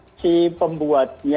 kalau si pembuat